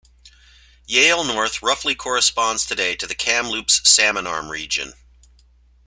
Yale-North roughly corresponds today to the Kamloops-Salmon Arm region.